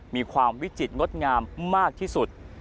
มีความวิจิตรงดงามมากที่สุด